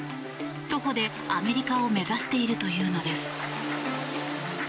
徒歩で、アメリカを目指しているというのです。